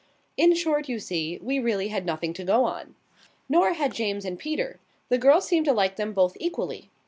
In short, you see, we really had nothing to go on. Nor had James and Peter. The girl seemed to like them both equally.